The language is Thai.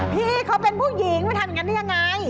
พี่เขาเป็นผู้หญิงไปทำอย่างนั้นได้ยังไง